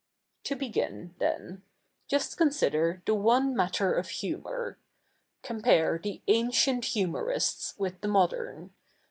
' To begin, the?i — just consider the one matter of humour. Compa7'c the ancient humourists ivith the modern.